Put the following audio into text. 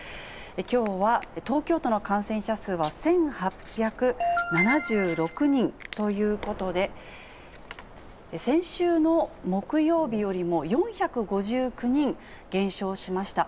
きょうは東京都の感染者数は１８７６人ということで、先週の木曜日よりも４５９人減少しました。